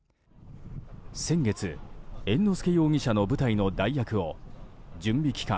先月猿之助容疑者の舞台の代役を準備期間